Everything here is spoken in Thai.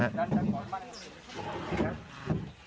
ตาเนี่ยก็จะไม่ไปดุด่าล้านพร่ำเพื่อนนะฮะ